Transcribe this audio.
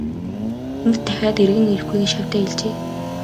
Энд дахиад эргэн ирэхгүй гэж шавьдаа хэлжээ.